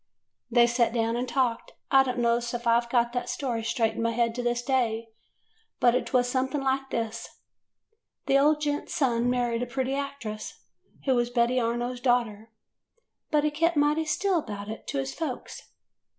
"They sat down and talked. I don't know 's I Ve got that story straight in my head to this day, but 't was something like this: The old gent's son married a pretty actress, who was Betty Arno's daughter, but he kept mighty still about it to his folks.